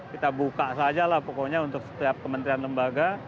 kita buka saja lah pokoknya untuk setiap kementerian lembaga